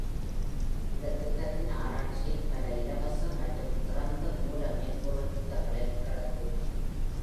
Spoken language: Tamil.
இந்தத் திட்டத்தின் ஆராய்ச்சியில் பல இலவச மற்றும் திறந்த மூல மென்பொருள் திட்டங்களை உள்ளடக்கியுள்ளது.